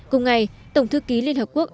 cùng ngày tổng thư ký liên hợp quốc